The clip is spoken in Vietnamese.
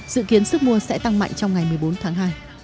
dự kiến sức mua sẽ tăng mạnh trong ngày một mươi bốn tháng hai